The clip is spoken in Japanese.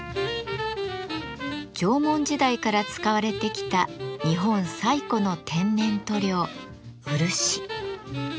縄文時代から使われてきた日本最古の天然塗料漆。